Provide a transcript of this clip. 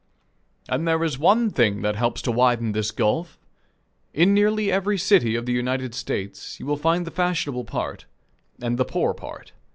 And there is one thing that helps to widen this gulf. In nearly every city of the United States you will find the fashionable part, and the poor part.